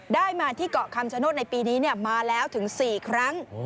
ได้มาที่เกาะคำชโนธในปีนี้มาแล้วถึง๔ครั้ง